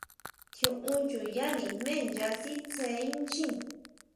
Tjiún chuyá nijmé nya sitsé inchjín.